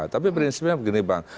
tapi prinsipnya begini bang